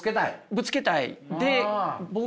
ぶつけたい。